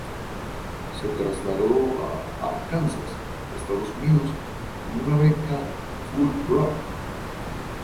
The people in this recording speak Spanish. Se trasladó a Arkansas, Estados Unidos, con una beca Fulbright.